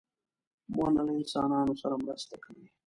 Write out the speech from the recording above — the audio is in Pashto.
• ونه له انسانانو سره مرسته کوي.